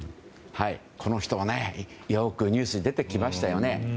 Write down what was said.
この人は、よくニュースに出てきましたよね。